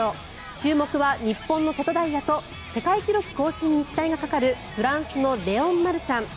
注目は日本の瀬戸大也と世界記録更新に期待がかかるフランスのレオン・マルシャン。